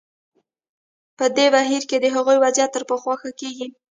په دې بهیر کې د هغوی وضعیت تر پخوا ښه کېږي.